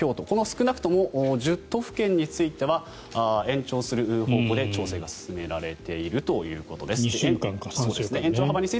この少なくとも１０都府県については延長する方向で調整が進められているということです。